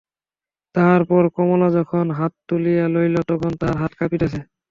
তাহার পর কমলা যখন হাতা তুলিয়া লইল তখন তাহার হাত কাঁপিতেছে।